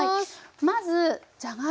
まずじゃがいも。